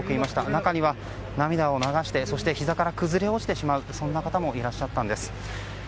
中には、涙を流してそして、ひざから崩れ落ちてしまう方もいらっしゃったんです。